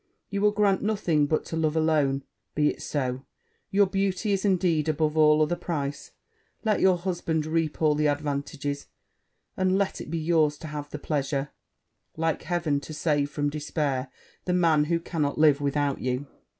you will grant nothing but to love alone be it so: your beauty is, indeed, above all other price. Let your husband reap all the advantages, and let it be yours to have the pleasure, like Heaven, to save from despair the man who cannot live without you.'